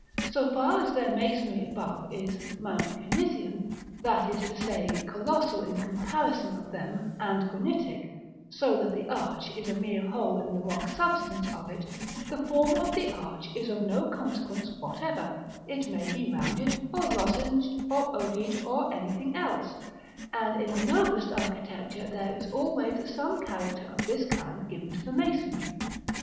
So far as their masonry above is Mont Cenisian, that is to say, colossal in comparison of them, and granitic, so that the arch is a mere hole in the rock substance of it, the form of the arch is of no consequence whatever: it may be rounded, or lozenged, or ogee'd, or anything else; and in the noblest architecture there is always some character of this kind given to the masonry.